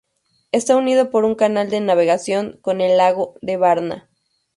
Está unido por un canal de navegación con el lago de Varna.